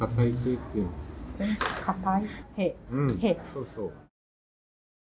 そうそう。